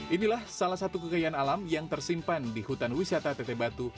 inilah salah satu kekayaan alam yang tersimpan di hutan wisata teteh batu